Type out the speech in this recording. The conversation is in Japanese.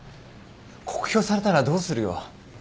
酷評されたらどうするよ。